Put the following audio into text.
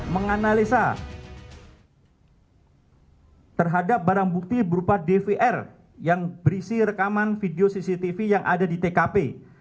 menganalisa terhadap barang bukti berupa dvr yang berisi rekaman video cctv yang ada di tkp